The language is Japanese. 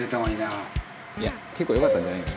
「いや結構良かったんじゃない？